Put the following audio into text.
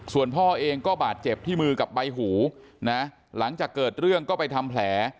ส่วนพ่อเองก็บาดเจ็บที่มือกับใบหูนะหลังจากเกิดเรื่องก็ไปทำแผล